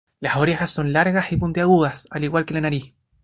Las orejas son largas y puntiagudas, al igual que la nariz.